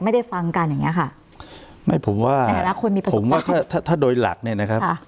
ไม่ได้ฟังกันอย่างเงี้ยค่ะไม่ผมว่าในฐานะคนมีประสงค์ว่าถ้าถ้าโดยหลักเนี่ยนะครับค่ะ